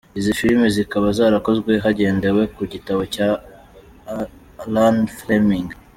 Izi filimi zikaba zarakozwe hagendewe ku gitabo cya Ian Fleming.